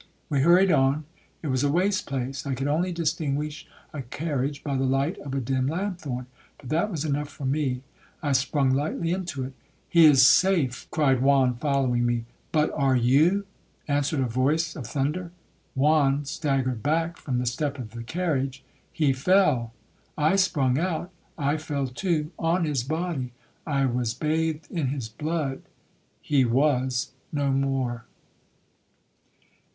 We hurried on. It was a waste place,—I could only distinguish a carriage by the light of a dim lanthorn, but that was enough for me. I sprung lightly into it. 'He is safe,' cried Juan, following me. 'But are you? answered a voice of thunder. Juan staggered back from the step of the carriage,—he fell. I sprung out, I fell too—on his body. I was bathed in his blood,—he was no more.'